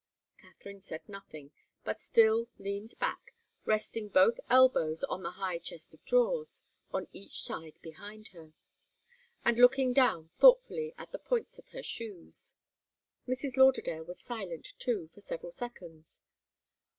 Katharine said nothing, but still leaned back, resting both elbows on the high chest of drawers on each side behind her, and looking down thoughtfully at the points of her shoes. Mrs. Lauderdale was silent, too, for several seconds.